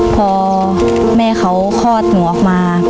พอแม่เขาคลอดหนูออกมา